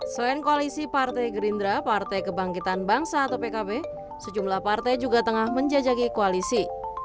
selain koalisi partai gerindra partai kebangkitan bangsa atau pkb sejumlah partai juga tengah menjajaki koalisi